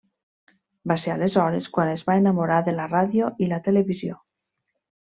Va ser aleshores quan es va enamorar de la ràdio i la televisió.